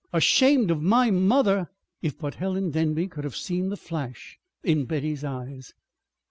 Ashamed of my mother!" if but Helen Denby could have seen the flash in Betty's eyes!